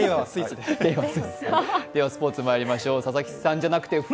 スポーツまいりましょう。